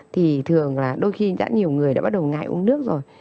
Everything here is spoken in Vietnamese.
thì thường là đôi khi đã nhiều người đã bắt đầu ngại uống nước rồi